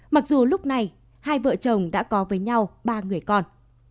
mặc dù lúc này hai vợ chồng đã có với nhau ba người con